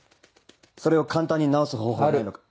それを簡単に治す方法はないのか。